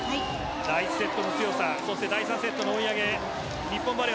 第１セットの強さそして第３セットの追い上げ日本バレー